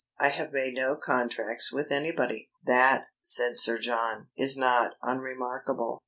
I have made no contracts with anybody." "That," said Sir John, "is not unremarkable.